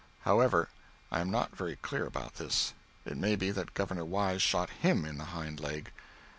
However, I am not very clear about this. It may be that Governor Wise shot him in the hind leg.